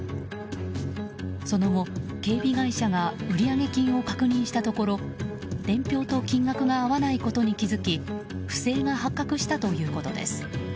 その後、警備会社が売上金を確認したところ伝票と金額が合わないことに気づき不正が発覚したということです。